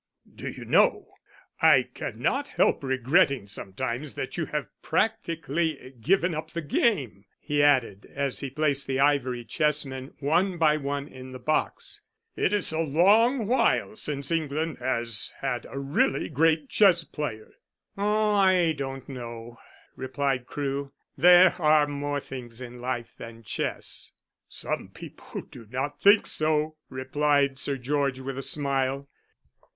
"Do you know, I cannot help regretting sometimes that you have practically given up the game," he added, as he placed the ivory chess men one by one in the box. "It is a long while since England has had a really great chess player." "Oh, I don't know," replied Crewe. "There are more things in life than chess." "Some people do not think so," replied Sir George, with a smile.